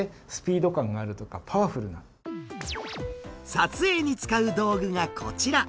撮影に使う道具がこちら。